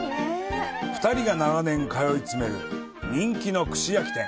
２人が長年通いつめる人気の串焼き店。